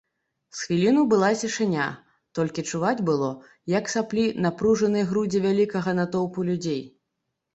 З хвіліну была цішыня, толькі чуваць было, як саплі напружаныя грудзі вялікага натоўпу людзей.